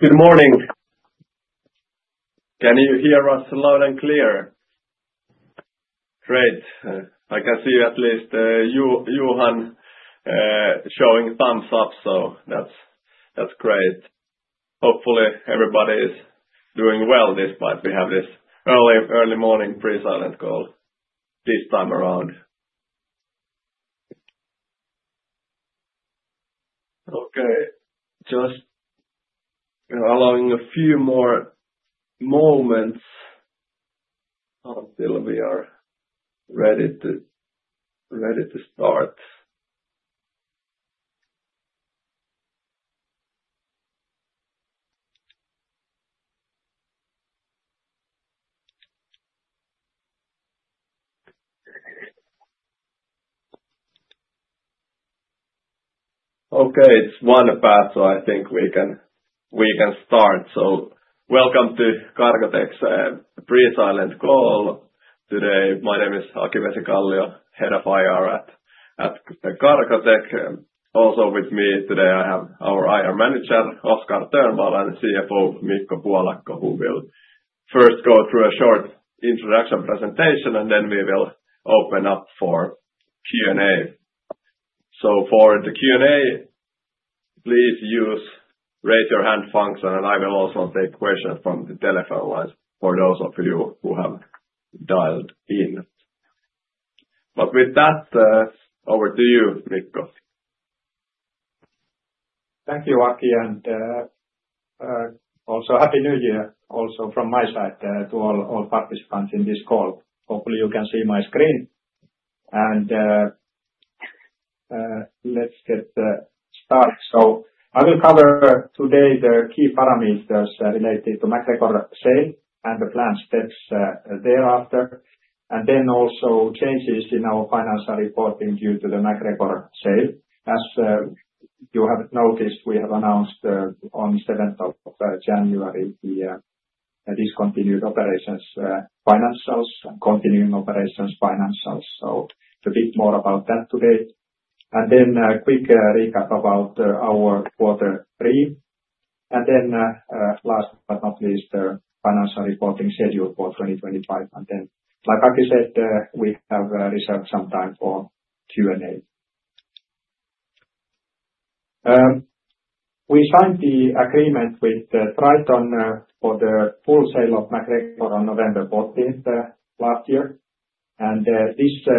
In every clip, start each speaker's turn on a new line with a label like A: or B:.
A: Good morning. Can you hear us? Loud and clear.
B: Great.
A: I can see at least Johan showing thumbs up, so that's great. Hopefully everybody is doing well despite we have this early morning pre-silent call this time around.
C: Okay.
A: Just allowing a few more moments until we are.
C: Ready to start. Okay.
A: It's one part, so I think we can, we can start.
B: So.
A: Welcome to Cargotec's pre-silent call today. My name is Aki Vesikallio, Head of IR at Cargotec. Also with me today I have our IR manager Oskar Turnbull and CFO Mikko Puolakka who will first go through a short introduction presentation and then we will open up for Q and A. So for the Q and A, please use raise your hand function and I will also take questions from the telephone line for those of you who have dialed in. But with that, over to you Mikko.
C: Thank you, Aki.
D: Also Happy New Year. Also from my side to all participants.
C: In this call, hopefully you can see my screen and let's get started. So I will cover today the key parameters related to MacGregor sale and the planned steps thereafter.
D: And then also changes in our financial.
C: Reporting due to the MacGregor sale. As you have noticed, we have announced on 7th of January the discontinued operations financials, continuing operations financials. So a bit more about that today and then a quick recap about our quarter three. And then last but not least financial.
D: Reporting schedule for 2025.
C: And then, like Aki said, we have reserved some time for Q and A. We signed the agreement with Triton for the full sale of MacGregor on November 14 last year. And this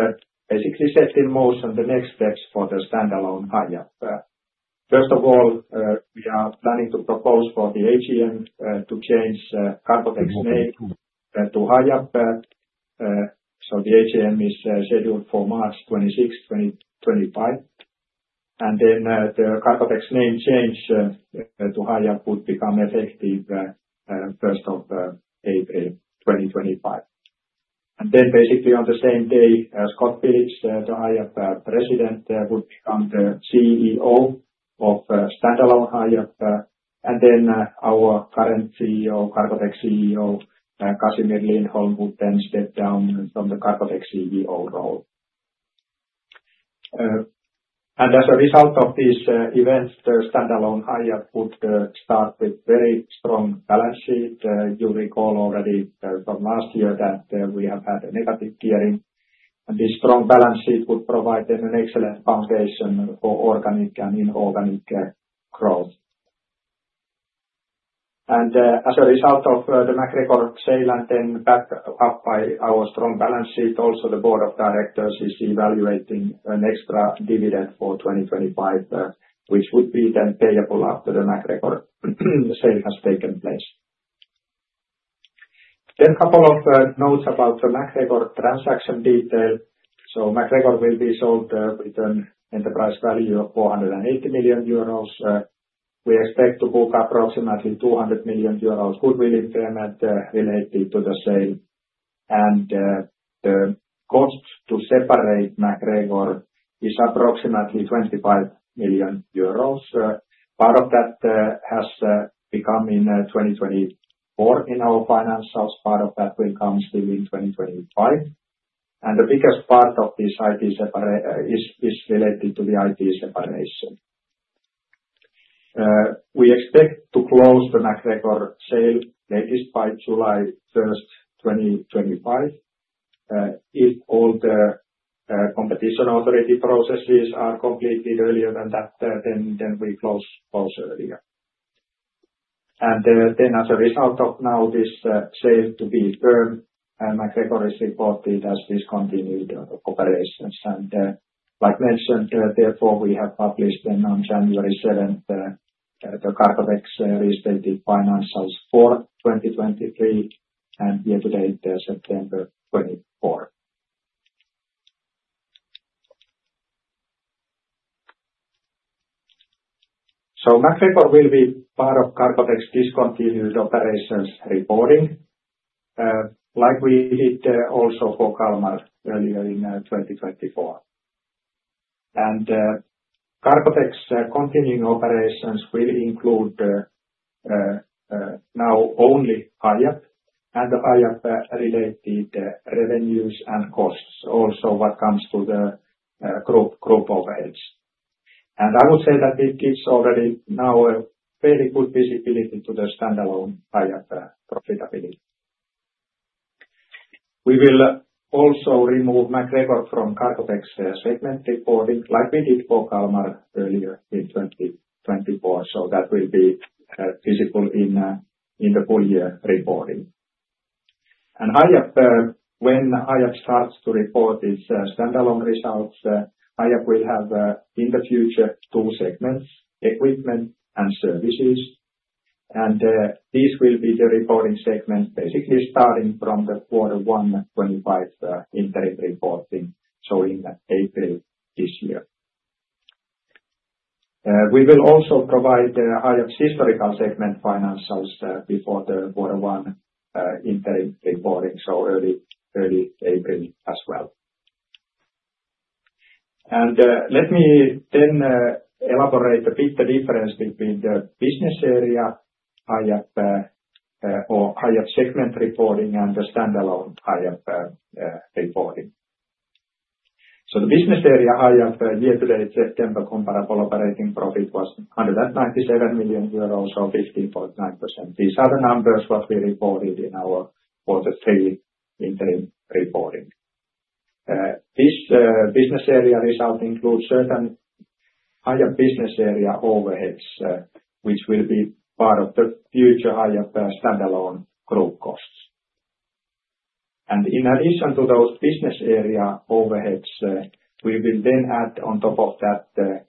C: basically set in motion the next steps for the standalone Hiab. First of all, we are planning to. Propose for the AGM to change Cargotec. Name to Hiab. The AGM is scheduled for March. 26, 2025, and then the Cargotec name change to Hiab would become effective first of April 2025. Then basically on the same day, Scott Phillips, the Hiab President, would become. The CEO of standalone Hiab. Our current CEO, Cargotec CEO. Casimir Lindholm would then step down from the Cargotec CEO role. As a result of these events, the standalone Hiab would start with very strong balance sheet. You recall already from last year that we have had a negative gearing. This strong balance sheet will provide. An excellent foundation for organic and inorganic growth. And as a result of the MacGregor sale and then backed up by our strong balance sheet. Also the Board of Directors is evaluating. An extra dividend for 2025 which would be then payable after the MacGregor. Sale has taken place. Then, couple of notes about the MacGregor transaction detail, so MacGregor will be. Sold with an enterprise value of 480 million euros. We expect to book approximately 200 million euros. Goodwill impairment related to the sale and. The cost to separate MacGregor is approximately 25 million euros. Part of that has become in 2024 in our finances. Part of that will come still in 2025, and the biggest part of this. It is related to the IT separation. We expect to close the MacGregor sale latest by July 1, 2025. If all the competition authority processes are. Completed earlier than that, then we close earlier and then as a result of. Now, this sale to Triton of MacGregor is reported as discontinued operations and. Like mentioned therefore we have published then on January 7th the Cargotec restated financials for 2023 and year to date September 24th. So MacGregor will be part of Cargotec discontinued operations reporting like we did also for Kalmar earlier in 2024 and Cargotec continuing operations will include now only Hiab and the Hiab related revenues and costs. Also what comes to the group overhead and I would say that it's already now fairly good visibility to the standalone Hiab profitability. We will also remove MacGregor from Cargotec segment reporting like we did for Kalmar earlier in 2024, so that will be visible in the full year reporting and. When Hiab starts to report its standalone results. Hiab will have in the future two. Segments, equipment and services, and this will. Be the reporting segment basically starting from. The quarter one 2025 interim reporting. So in April this year. We will also provide Hiab historical segment financials before. The Q1 interim reporting so early April as well. Let me then elaborate a bit the difference between the business area. Or Hiab segment reporting and the standalone Hiab reporting. The business area Hiab year to date September comparable operating profit was 197 million euros or 15.9%. These are the numbers what we reported. In Q3 interim reporting, this business area result includes certain higher business area overheads which will be part of the future Hiab standalone go-to-market costs. In addition to those business areas. Overheads we will then add on top of that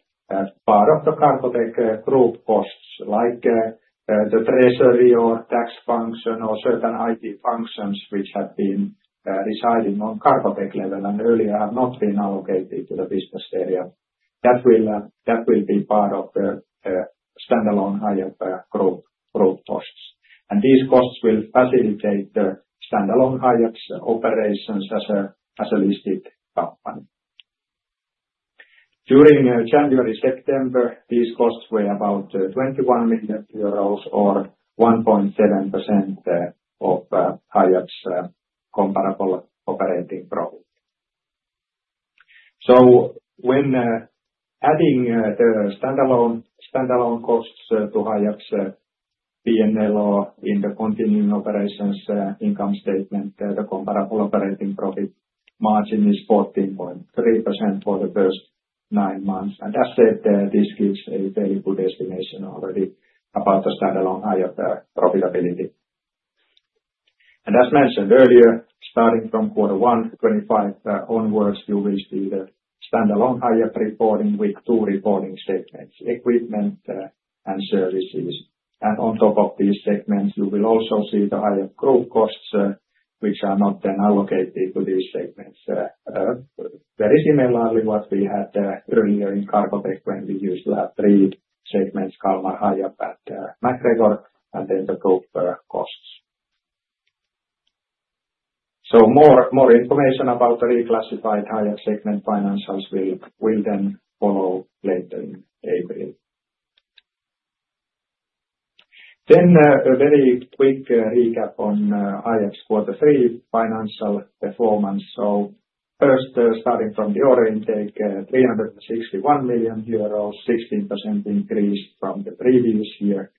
C: part of the Cargotec group costs like the treasury or tax function or certain IT functions which have been. Residing on Cargotec level and earlier have not been allocated to the business area. That will be part of the standalone Hiab-related costs and these costs will facilitate the standalone Hiab operations as a listed company. During January-September these costs were about 21 million euros or 1.7% of Hiab's comparable operating profit. So when adding the standalone costs to. Hiab's P&L in the continuing operations income statement, the comparable operating profit margin is. 14.3% for the first nine months. That said, this gives a very good estimation already about the standalone Hiab. Profitability and as mentioned earlier, starting from. Quarter one 2025 onwards you will see. The standalone Hiab reporting will have two reporting segments: equipment and services, and on top of these segments you will also see the higher group costs, which are not then allocated to these segments. There were similar ones we had earlier in Cargotec when we used to have three segments: Hiab, Kalmar, and MacGregor, and then the group costs. So more information about the reclassified Hiab. Segment financials will then follow later in April. Then a very quick recap on Hiab's. Quarter three financial performance, so first starting from the order intake. 361 million euros, 16% increase from the previous year.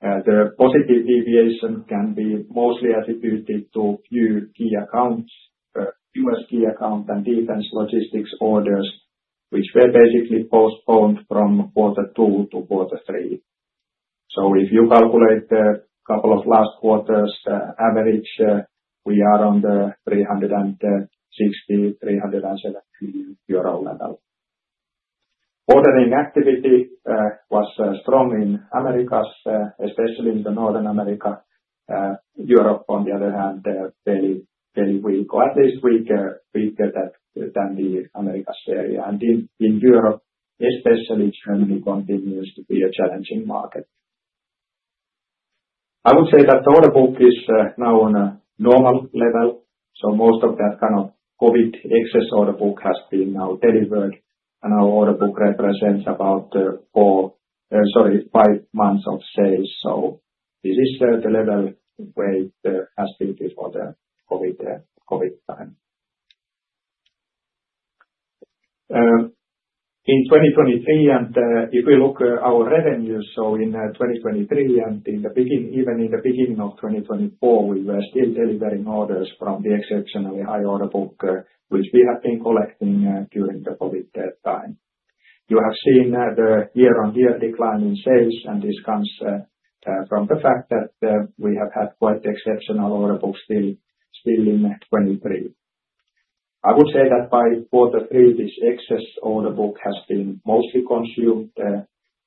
C: The positive deviation can be mostly attributed. To a few key accounts, U.S. key accounts and defense logistics orders which were basically postponed from quarter two to quarter three. So if you calculate a couple of. Last quarter's average, we are on the EUR 360-370 level. Ordering activity was strong in Americas especially. In North America. Europe on the other hand very weak or at least weaker than the Americas area and in Europe especially Germany continues to be a challenging market.
D: I would say that the order book. Is now on a normal level, so most of that non-COVID excess order book has now been delivered and our order book represents about four, sorry five months of sales. So this is the level where it has been for the COVID time. In 2023 and if we look at our revenues, so in 2023 and even in the beginning of 2024 we were still delivering orders from the exceptionally high. Order book which we have been collecting during the COVID time. You have seen the year on year. Decline in sales, and this comes from the fact that we have had quite exceptional order books still in 2023. I would say that by quarter three this excess order book has been mostly consumed,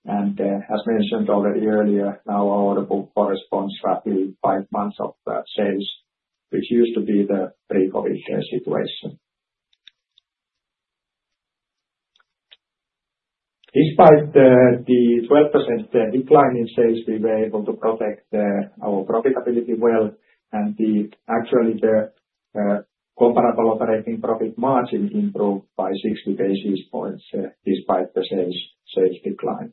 D: and as mentioned already earlier, now our order book corresponds roughly five months of sales, which used to be the pre-COVID situation. Despite the 12% decline in sales, we were able to protect our profitability well and actually the comparable operating profit margin. Improved by 60 basis points despite the sales decline.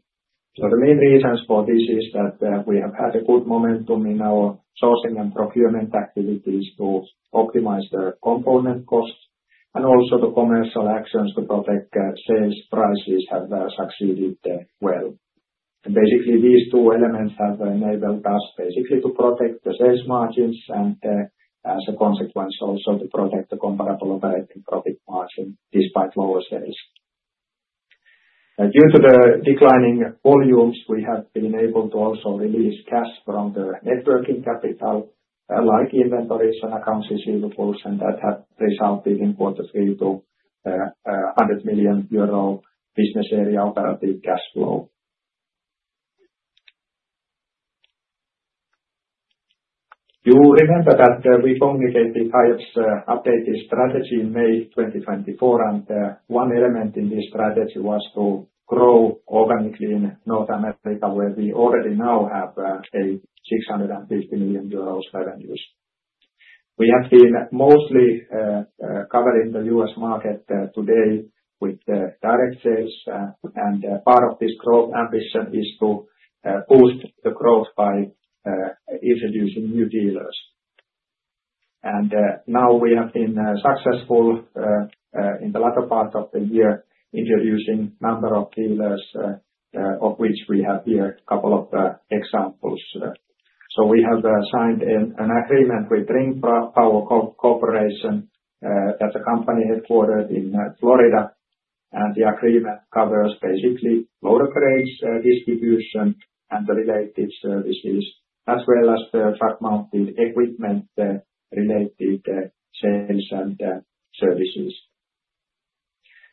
D: The main reasons for this is that we have had a good momentum. In our strong sourcing and procurement activities to optimize the component costs and also. The commercial actions to protect sales prices. Have succeeded well basically these two elements. Have enabled us basically to protect the. Sales margins and as a consequence also. To protect the comparable operating profit margin. Despite lower sales due to the declining volumes. We have been able to also release. Cash from the net working capital like inventories. Accounts receivable and that have resulted. In quarter three to 100 million euro. Business area of the cash flow. You remember that we communicated Hiab's updated strategy in May 2024 and one element. In this strategy was to grow organically. In North America where we already now.
C: Have a 650 million euros revenues. We have been mostly covering the U.S. Market today with direct sales and part of this growth ambition is to boost the growth by introducing new dealers. Now we have been successful in. The latter part of the year introducing number of dealers of which we have here a couple of examples. So we have signed an agreement with Ring Power Corporation that the company headquartered. In Florida and the agreement covers basically Lowe's freight distribution and the related services. As well as the truck mounted equipment. Related sales and services.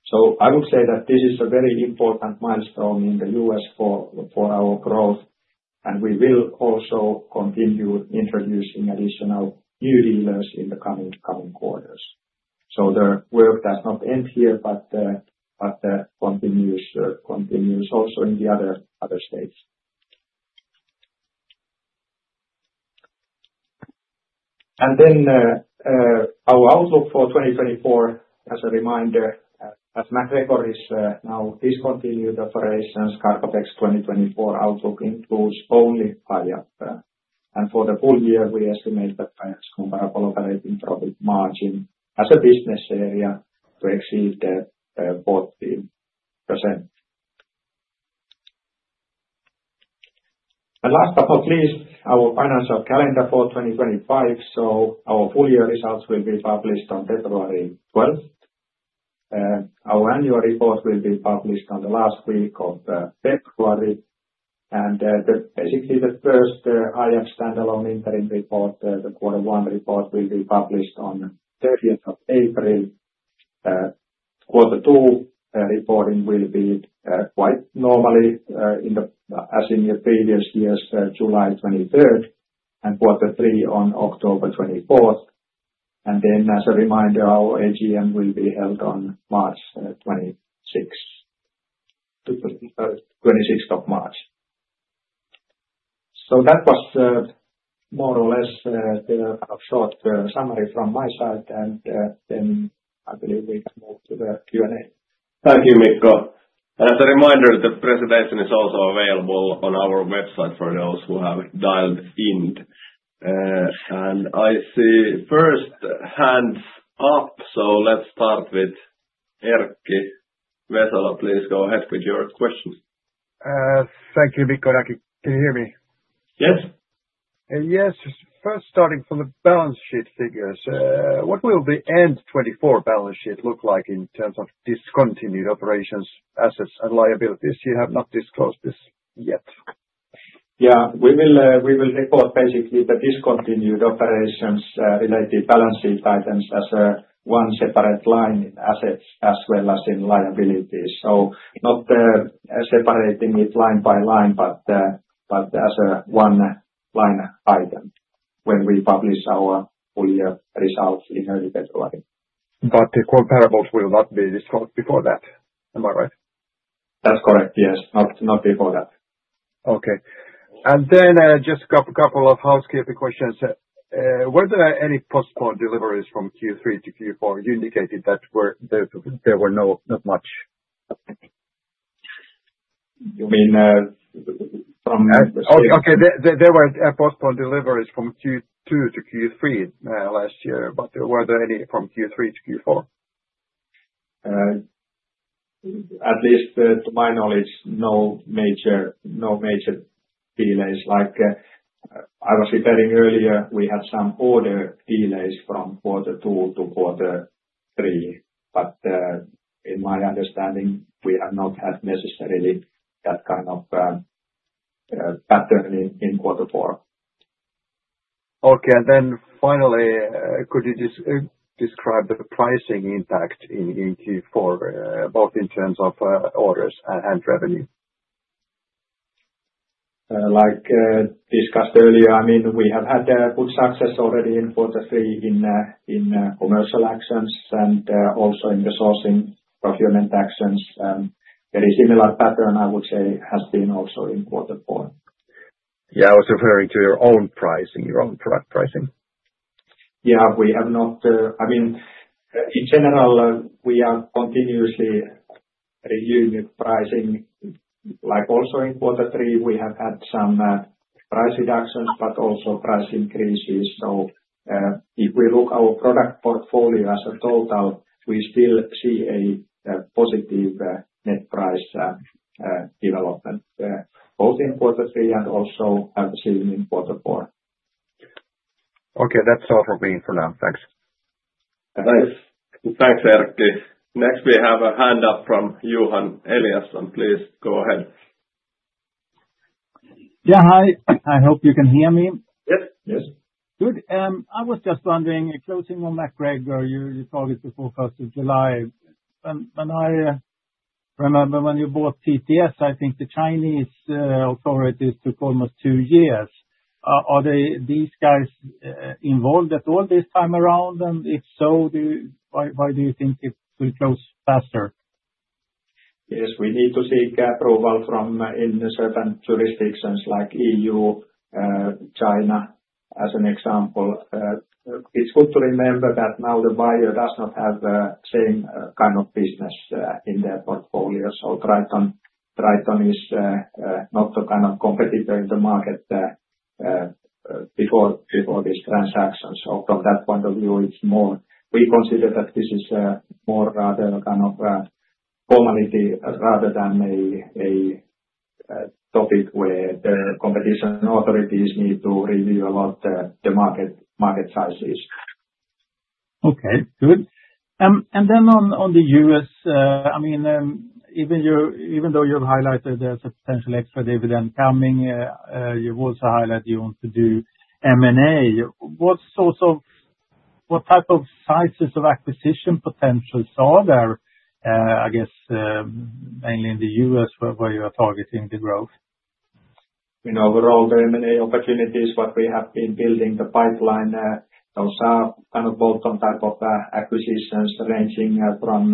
C: So I would say that this is a very important milestone in the U.S. For our growth and we will also continue introducing additional new dealers in the coming quarters. So the work does not end here but continues also in the other states. And then our outlook for 2024 as a reminder, as MacGregor is now discontinued. Operations Cargotec 2024 outlook includes only five. Year and for the full year we estimate that comparable operating profit margin as a business area to exceed 40%. And last but not least, our financial calendar for 2025. So our full year results will be. Published on February 12th. Our annual report will be published on. The last week of the and basically the first Hiab standalone interim report, the quarter one report will be published on 30th of April. Quarter two reporting will be quite normally as in your previous year's July 23 and quarter three on October 24 and. Then, as a reminder, our AGM will. Be held on March 26, 2020. So that was more or less a. Short summary from my side and then. I believe we can move to the Q and A.
A: Thank you, Mikko. As a reminder, the presentation is also available on our website for those who have dialed in, and I see first hands up. So let's start with please go ahead with your questions.
B: Thank you. Mikko, can you hear me? Yes, yes. First, starting from the balance sheet figures, what will the end 2024 balance sheet look like in terms of discontinued operations, assets and liabilities? You have not disclosed this yet?
C: Yeah, we will report basically the discontinued operations related balance sheet items as a one separate line in assets as well as in liabilities. Not separating it line by line, but as a one line item when we publish our full year results in early February. But the comparables will not be disclosed before that. Am I right? That's correct, yes. Not before that.
B: Okay. And then just a couple of housekeeping questions. Were there any postponed deliveries from Q3 to Q4? You indicated that there were not much. You mean? Okay, there were postponed deliveries from Q2. To Q3 last year, but were there any from Q3 to Q4?
C: At least to my knowledge, no major. No major delays like I was referring earlier. We had some order delays from quarter two to quarter three, but in my understanding we have not had necessarily that kind of pattern in quarter four.
B: Okay. And then finally, could you just describe the pricing impact in Q4 both in terms of orders and revenue like discussed earlier.
C: I mean, we have had good success already in quarter three in commercial actions and also in the sourcing procurement actions. Very similar pattern, I would say, has been also important for.
B: Yeah, I was referring to your own. Pricing, your own product pricing.
C: Yeah, we have not. I mean in general we are continuously reviewing pricing. Like also in quarter three, we have had some price reductions, but also price increases. So if we look our product portfolio as a total, we still see a positive net price development both in quarter three and also in quarter four.
B: Okay, that's all for me for now. Thanks.
A: Thanks, Erkki. Next, we have a hand up from Johan Eliason. Please go ahead.
E: Yeah, hi. I hope you can hear me.
C: Yes, yes, good.
E: I was just wondering a closing one background. You told the forecast of July when I remember you bought TTS, I think the Chinese authorities took almost two years. Are these guys involved at all this time around? And if so, why? Do you think it will close faster?
C: Yes, we need to seek approval from. In certain jurisdictions like EU China as an example. It's good to remember that now the buyer does not have same kind of business in their portfolio. So Triton. Triton is not the kind of competitor. In the market. Before this transaction. So from that point of view, it's more. We consider that this is more rather. Kind of a common idea rather than a topic where the competition authorities need. To review a lot the market sizes.
B: Okay, good. And then on the U.S., I mean. Even though you've highlighted there's a potential. Extra dividend coming. You've also highlighted you. Want to do M and A. What sort of, what type of sizes of acquisition potentials are there? I guess mainly in the U.S. where.
C: You are targeting the growth overall very. Many opportunities, what we have been building. The pipeline, those are kind of built. On type of acquisitions ranging from.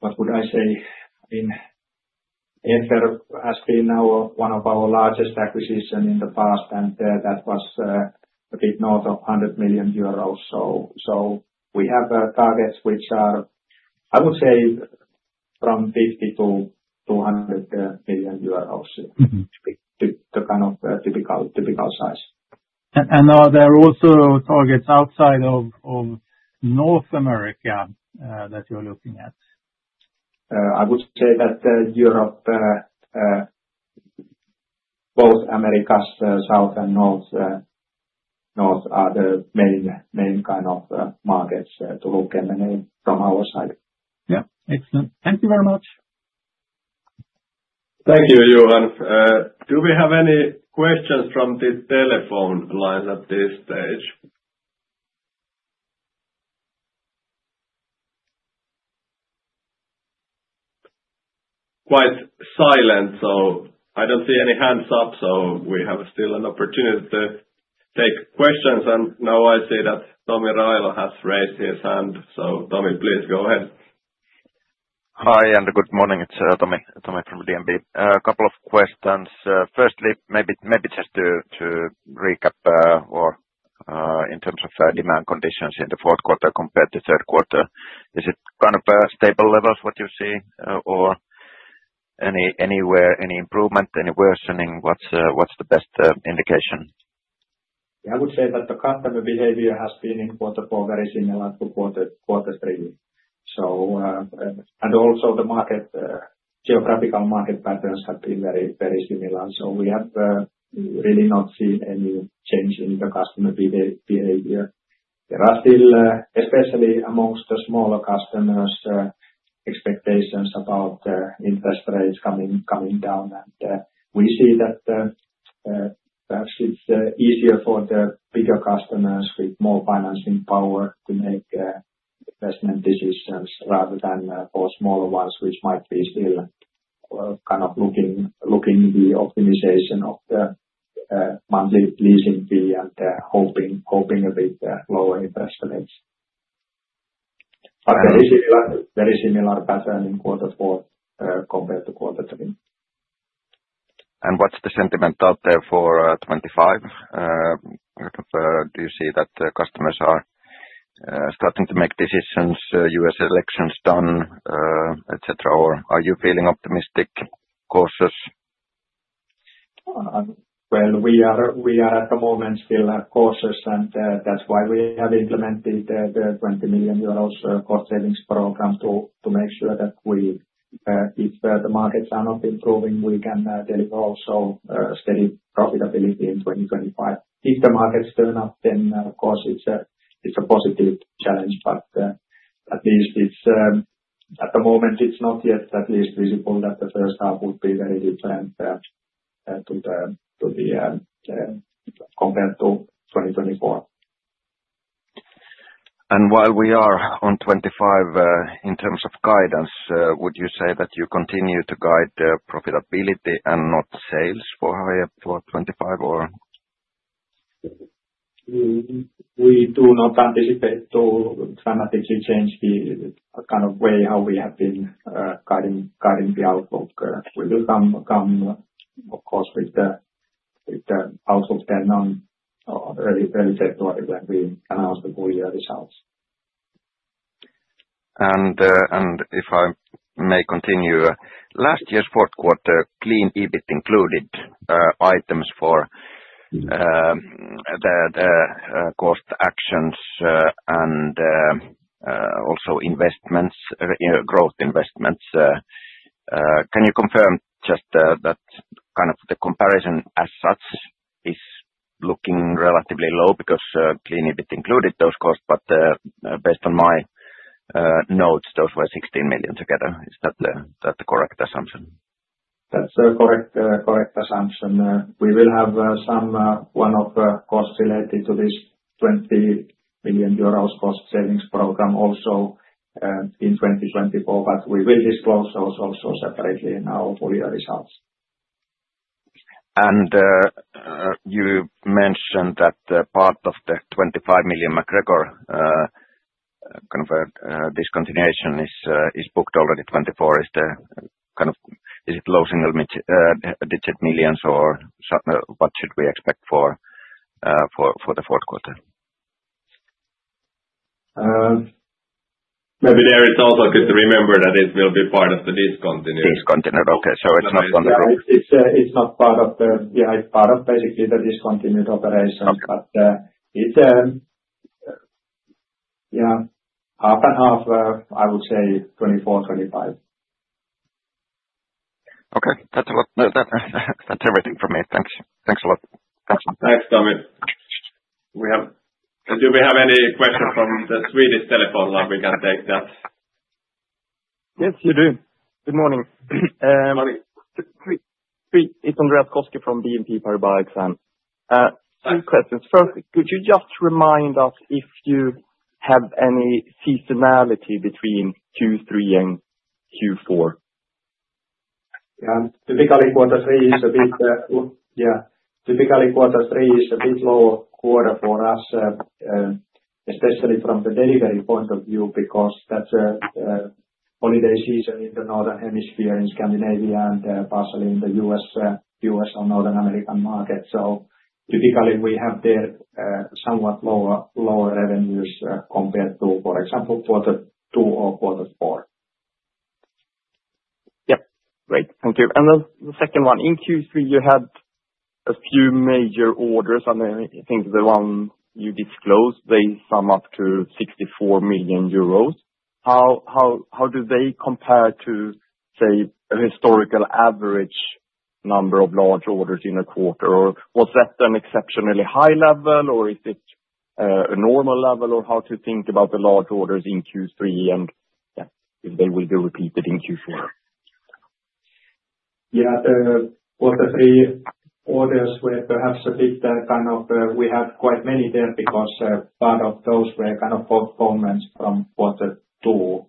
C: What would I say? I mean, Effer has been one of. Our largest acquisitions in the past and. That was a bit north of 100 million euros. So we have targets which are, I would say from 50 billion to 200 billion euros, the kind of typical size.
B: Are there also targets outside of North America that you're looking at?
C: I would say that Europe, both Americas, South and North, are the main kind of markets to look at from our side.
E: Yeah, excellent. Thank you very much.
C: Thank you. Johan, do we have any questions from the telephone lines at this stage? Quite silent, so I don't see any hands up. So we have still an opportunity to take questions. And now I see that Tomi Railo has raised his hand. So Tomi, please go ahead.
F: Hi and good morning, it's Tomi from DNB. A couple of questions. Firstly, maybe just to recap or in terms of demand conditions in the fourth quarter compared to third quarter, is it kind of stable levels what you see or anywhere any improvement, any worsening? What's the best indication?
C: I would say that the customer behavior has been in quarter four, very similar to quarter three. And also the market geographical market patterns. Have been very similar. We have really not seen any change in the customer behavior. There are still, especially among the smaller. Customers' expectations about interest rates coming down. We see that perhaps it's easier for the bigger customers with more financing power to make investment decisions rather than for smaller ones, which might be staller. Kind of looking at the optimization of the monthly leasing fee and hoping for a bit lower interest rates. Very similar pattern in. Quarter four compared to quarter three.
F: And what's the sentiment out there for 25? Do you see that customers are starting to make decisions, U.S. elections done, etc.? Or are you feeling optimistic? Courses?
C: We are at the moment still. Have courses, and that's why we have. Implemented the 20 million euros cost savings. Program to make sure that if the. Markets are not improving, we can deliver. Also steady profitability in 2025. If the markets turn up, then of course it's a positive challenge. But at least it's at the moment. It's not yet at least visible that. The first half would be very different compared to 2024.
F: And while we are on 25 in terms of guidance, would you say that you continue to guide profitability and not sales for 25 or?
C: We do not anticipate to dramatically change. The kind of way how we have been guiding the outlook. We will come, of course, with the household spend on relative to it when we announce the full year results.
F: And if I may continue, last year's fourth quarter clean EBIT included items for the cost action and also investments, growth investments. Can you confirm just that kind of? The comparison as such is looking relatively low because clean EBIT included those costs. But based on my notes, those were 16 million together. Is that the correct assumption?
C: That's a correct assumption. We will have some one-off cost. Related to this 20 million euros cost savings program also in 2024. But we will disclose those also separately in our full year results.
F: And you mentioned that part of the 25 million MacGregor discontinuation is booked already. 24 is the kind of. Is it low single digit millions or what should we expect for the fourth quarter?
A: Maybe there is also good to remember that it will be part of the discontinued.
F: Discontinued. Okay, so it's not.
C: It's not part of the. Yeah, it's part of basically the discontinued operation. But it's, you know, half and half. I would say 24, 25.
F: Okay, that's everything for me. Thanks. Thanks a lot.
C: Thanks.
A: Tomi. Do we have any question from the Swedish telephone line? We can take that.
F: Yes, you do. Good morning, it's Andreas Koski from BNP Paribas Exane. Two questions first. Could you just remind us if you have any seasonality between Q3 and Q4?
C: Typically, quarter three is a bit. Yeah, typically quarter three is a bit lower quarter for us, especially from the delivery point of view because that's a. Holiday season in the northern hemisphere in Scandinavia and partially in the U.S. or North American market. So typically we have there somewhat lower. Lower revenues compared to, for example, quarter two.
F: Yeah, great, thank you. And the second one in Q3 you had a few major orders and I think the one you disclosed, they sum up to 64 million euros. How do they compare to say a historical average number of large orders in a quarter or was that an exceptionally high level or is it a normal level or how to think about the large orders in Q3 and they will be repeated in Q4?
C: Yeah, the quarter three orders were perhaps a bit kind of. We had quite many there because part of those were kind of performance from quarter two.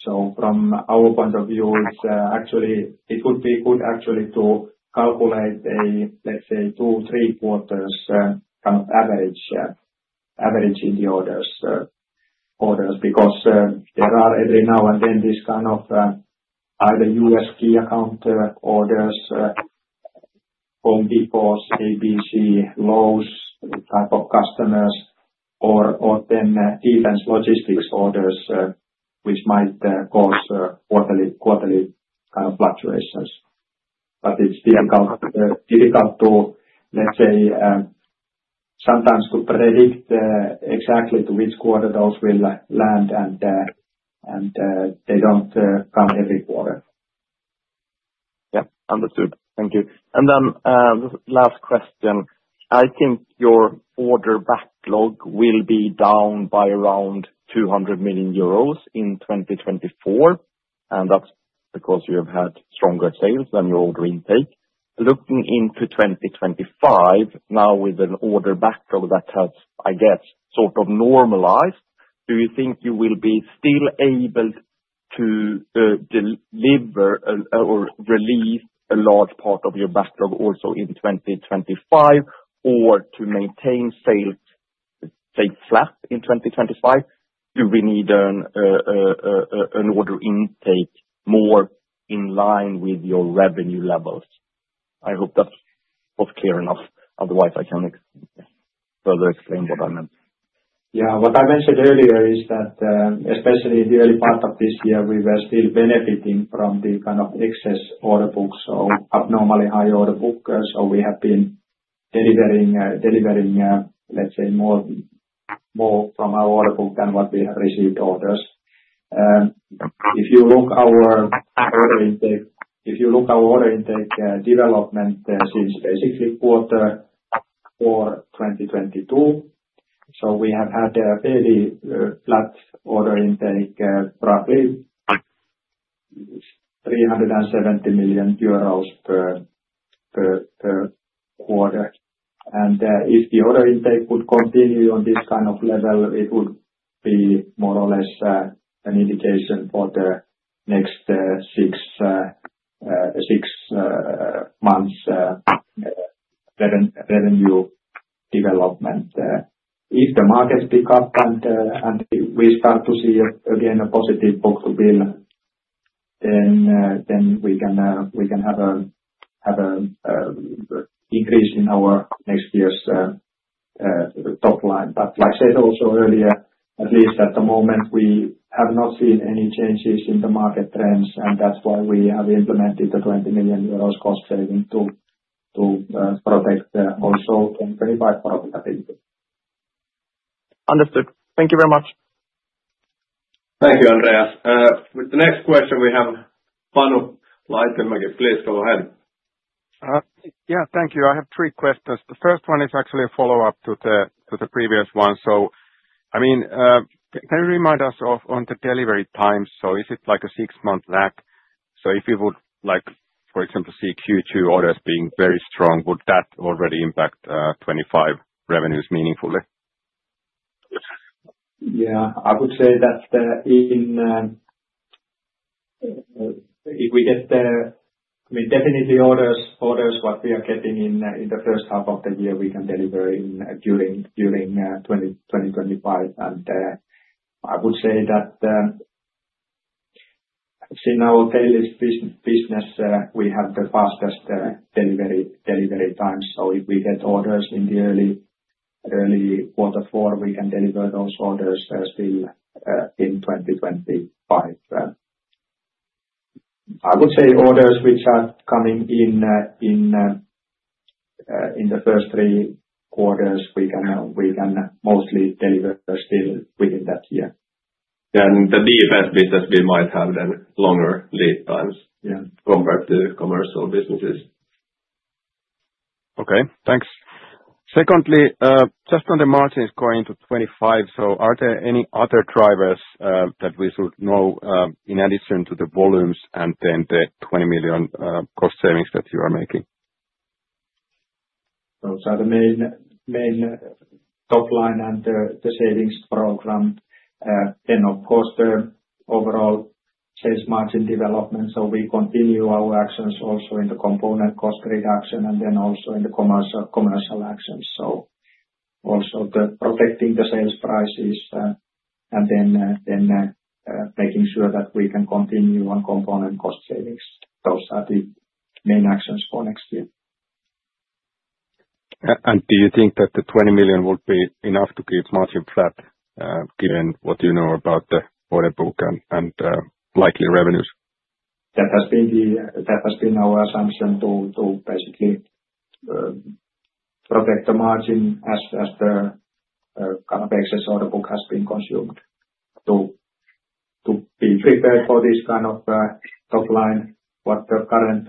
C: So from our point of view it's. Actually it would be good actually to. Calculate a, let's say two, three-fourths kind. Above average in the orders because. There are every now and then this. Kind of either U.S. key account orders, Home Depot, ABC, Lowe's type of customers, or then Defense Logistics orders, which might cause quarterly fluctuations, but it's difficult to, let's say, sometimes to predict exactly to which quarter those will land. They don't come every quarter.
F: Yeah, understood, thank you. Then last question. I think your order backlog will be down by around 200 million euros in 2024 and that's because you have had stronger sales than your order intake. Looking into 2025 now with an order backlog that has I guess sort of normalized, do you think you will be still able to deliver or release a large part of your backlog also in 2025 or to maintain sales, say flat in 2025, do we need an order intake more in line with your revenue levels? I hope that was clear enough. Otherwise I can further explain what I meant.
C: Yeah. What I mentioned earlier is that especially in the early part of this year, we were still benefiting from the kind. Of excess order books, so abnormally high order book. So we have been delivering, let's say more from our order book than what we have received orders. If you look our order intake, if. You look our order intake development since. first quarter of 2022. So we have had a fairly flat order intake, roughly. 370 million euros per. Quarter. And if the order intake would continue on this kind of level, it would. Be more or less an indication for the next six months revenue development. If the markets pick up and we. Start to see again a positive box. Of bill, then we can have an increase in our next year's top line. But, like I said also earlier, at. least at the moment, we have not. Seen any changes in the market trends, and that's why we have implemented the. 20 million euros cost saving to protect also 2025 profitability.
G: Understood. Thank you very much.
A: Thank you. Andreas, with the next question we have, please go ahead.
H: Yeah, thank you. I have three questions. The first one is actually a follow-up to the previous one. So I mean, can you remind us on the delivery times? So is it like a six-month lag? So if you would like, for example, see Q2 orders being very strong, would that already impact 2025 revenues meaningfully?
C: Yeah, I would say that in. If we get the, I mean definitely orders. Orders, what we are getting in the first half of the year. Can deliver during 2024-2025. And I would say that in our tail lifts business we have the fastest delivery times. So if we get orders in the early quarter four, we can deliver those orders still in 2025. I would say orders which are coming in the first three quarters we can mostly deliver still within that year. The DFS business, we might have longer lead times compared to commercial businesses.
H: Okay, thanks. Secondly, just on the margins going to 25%. So are there any other drivers that we should know in addition to the volumes and then the 20 million cost. Savings that you are making.
C: Those are the main top line under the savings program. Then of course overall sales margin development. We continue our actions also in the component cost reduction and then also in the commercial actions. So also protecting the sales prices and then making sure that we can continue on component cost savings. Those are the main actions for next year.
H: Do you think that the 20 million will be enough to create margin flat given what you know about the order book and likely revenues?
C: That has been our assumption to basically. Protect the margin as the kind of. Excess order book has been consumed. So, to be prepared for this kind of top line, what the current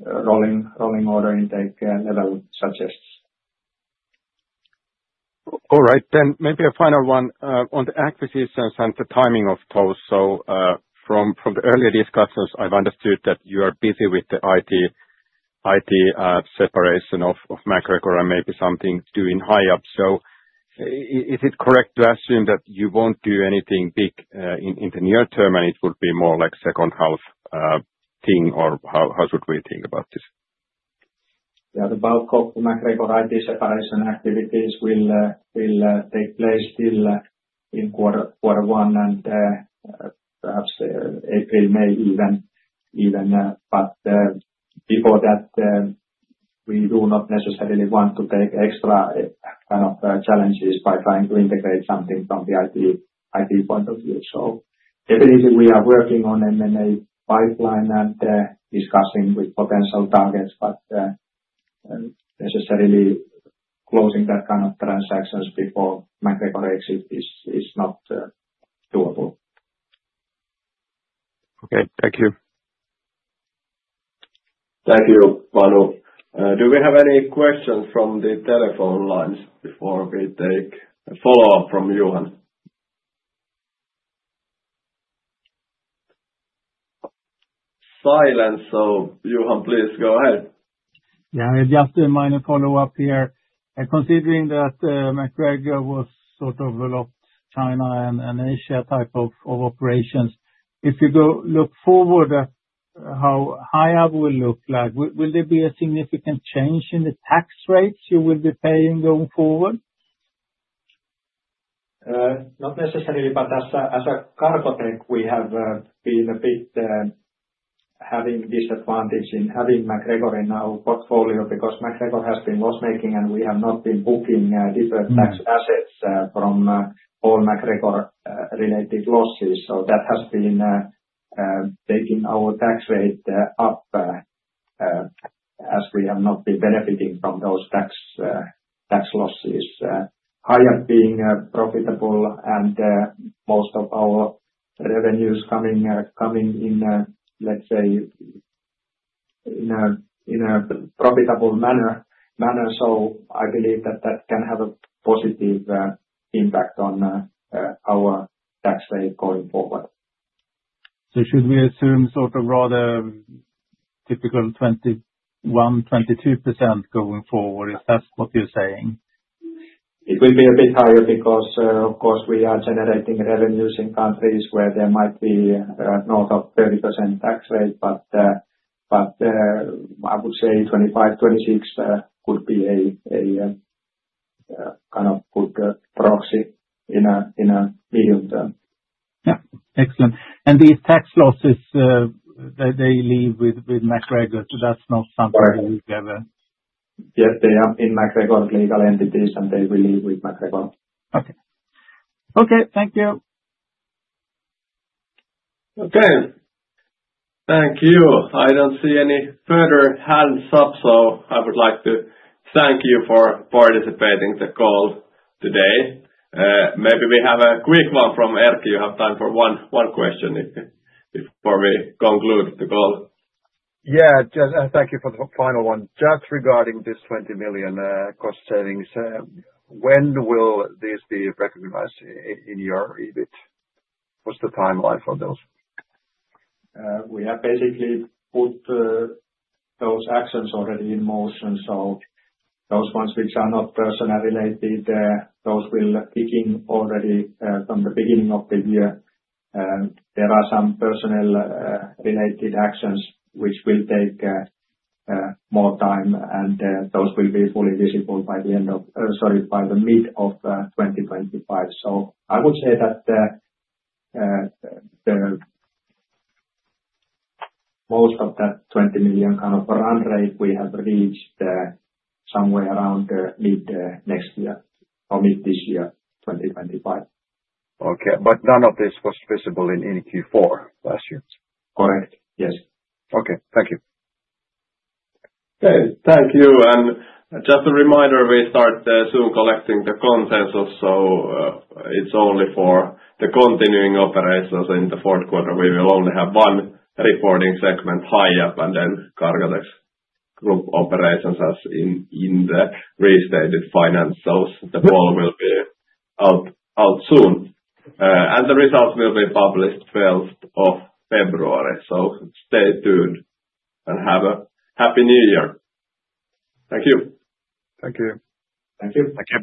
C: rolling order intake never would suggest. All right, then maybe a final one on the acquisitions and the timing of deals. So from the earlier discussions I've understood that you are busy with the IT separation of MacGregor and maybe something with Hiab. So is it correct to assume that you won't do anything big in the near term and it would be more like second half thing or how should we think about this? The bulk of MacGregor's separation activities will. Takes place still in quarter one and. Perhaps April may even. But before that, we do not necessarily want to take extra kind of challenges. By trying to integrate something from the. M&A point of view. So if anything we are working on M&A pipeline and discussing with potential targets. But necessarily closing that kind of transactions before MacGregor exit is not doable.
H: Okay, thank you.
C: Thank you.
A: Manu, do we have any questions from the telephone lines before we take a follow up from Johan? Silence, so Johan, please go ahead.
E: Yeah, just a minor follow up here considering that MacGregor was sort of China and Asia type of operations. If you go look forward at how Hiab will look like, will there be a significant change in the tax rates you will be paying going forward?
C: Not necessarily. But as a Cargotec we have. Been a bit having disadvantage in having. MacGregor in our portfolio because MacGregor has been loss making and we have not been booking different tax assets from all MacGregor related losses. So that has been taking our tax rate up as we have not been benefiting from those tax. Tax losses higher, being profitable and most. Of our revenues coming in, let's say. In a profitable manner. Manner. So I believe that that can have a positive impact on our tax rate going forward.
E: So should we assume sort of rather typical 21%-22% going forward? If that's what you're saying, it will.
C: Be a bit higher because of course we are generating revenues in countries where there might be north of 30% tax rate. But. I would say 25, 26 would be a kind of good proxy in a medium term.
E: Yeah. Excellent, and these tax losses, they leave with MacGregor. So that's not something we would gather. Yes, they are in MacGregor legal entities. And they will live with MacGregor. Okay. Okay, thank you.
A: Okay, thank you. I don't see any further hands up. So I would like to thank you for participating the call today. Maybe we have a quick one from Erkki. You have time for one question before we conclude the call?
B: Yeah, thank you for the final one. Just regarding this 20 million cost savings. When will this be recognized in your EBIT? What's the timeline for those?
C: We have basically put those actions already in motion. So those ones which are not personnel related, those will kick in already from the beginning of the year. There are some personnel related actions which. Will take more time and those will. Be fully visible by the end of. Sorry, by the mid of 2025, so I would say that. Most of that 20 million kind of. Run rate we have reached somewhere around mid next year or mid this year. 2025.
B: Okay. But none of this was visible in Q4 last year, correct?
C: Yes.
B: Okay, thank you.
A: Okay, thank you. And just a reminder, we start soon collecting the contents. Also, it's only for the continuing operations in the fourth quarter. We will only have one reporting segment, Hiab, and then Cargotec group operations as in the restated financials. So the full will be out soon and the results will be published 12th of February. So stay tuned and have a happy new year.
C: Thank you.
B: Thank you.
C: Thank you.